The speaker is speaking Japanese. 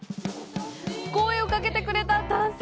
声をかけてくれた男性！